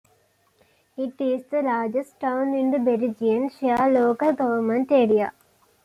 It is the largest town in the Berrigan Shire local government area.